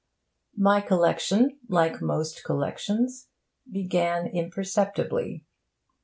My collection like most collections, began imperceptibly.